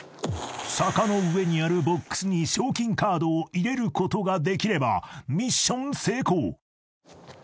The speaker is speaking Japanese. ［坂の上にあるボックスに賞金カードを入れることができればミッション成功］